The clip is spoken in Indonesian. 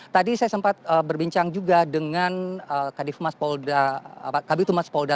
tadi saya sempat berbincang juga dengan kabitumas polda